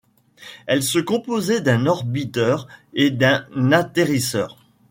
Elle se composait d'un orbiteur et d'un atterrisseur.